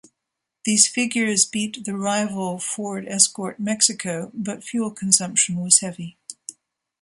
These figures beat the rival Ford Escort Mexico, but fuel consumption was heavy.